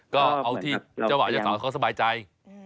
ก็เอาที่เจ้าหวังจะตอบเขาสบายใจ